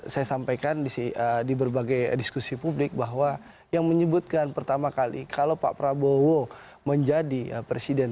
saya sampaikan di berbagai diskusi publik bahwa yang menyebutkan pertama kali kalau pak prabowo menjadi presiden